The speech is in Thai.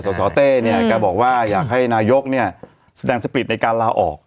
สสเต้เนี่ยแกบอกว่าอยากให้นายกเนี่ยแสดงสปริตในการลาออก